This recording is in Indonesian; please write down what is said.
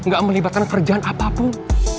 gak melibatkan kerjaan apapun